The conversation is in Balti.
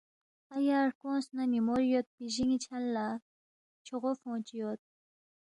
آیار ہرکونگس نہ نیمور یود پی جینی چھن لا چھوغو فونگ چی یود،